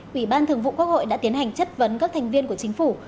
quỹ ban thường vụ quốc hội đã tiến hành chất vấn các thành viên của chính phủ